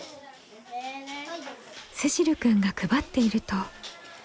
せしるくんが配っていると。